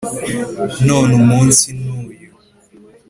none umunsi ni uyu!!!!